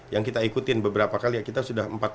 yang kita ikutin beberapa kali ya kita sudah empat kali atau